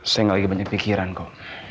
saya nggak lagi banyak pikiran kok